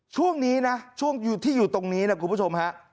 ช่วงนี้นะช่วงที่อยู่ตรงนี้นะคุณผู้ชมฮะ